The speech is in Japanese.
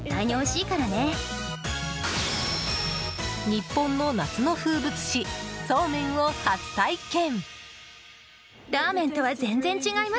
日本の夏の風物詩そうめんを初体験！